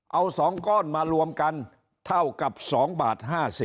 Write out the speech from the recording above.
เอา๒ก้อนมารวมกันเท่ากับ๒บาท๕๐